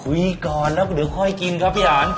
ก่อนแล้วเดี๋ยวค่อยกินครับพี่อัน